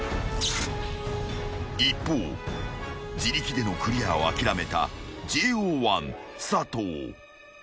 ［一方自力でのクリアを諦めたＪＯ１佐藤］